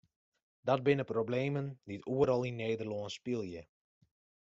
Dat binne problemen dy't oeral yn Nederlân spylje.